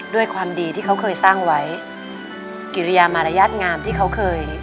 ด้วยความดีที่เขาเคยสร้างไว้กิริยามารยาทงามที่เขาเคย